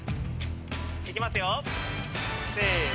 いきますよ。